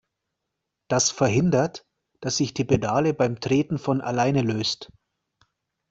Das verhindert, dass sich die Pedale beim Treten von alleine löst.